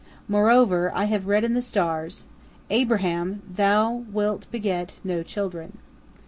Moreover, I have read in the stars, 'Abraham, thou wilt beget no children.'"